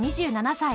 ２７歳。